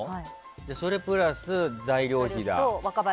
それプラス材料費だ。